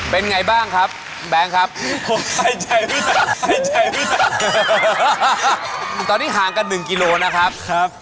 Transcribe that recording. เป็นไงบ้างครับแบงก์ครับ